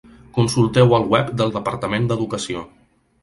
Consulteu el web del Departament d'Educació.